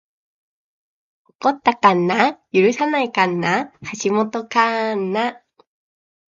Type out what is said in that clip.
起こった神無許さない神無橋本神無